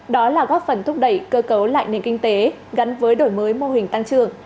đó là góp phần thúc đẩy cơ cấu lại nền kinh tế gắn với đổi mới mô hình tăng trưởng